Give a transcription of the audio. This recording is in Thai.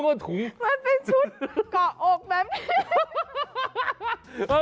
มันเป็นชุดก่ออกแบบนี้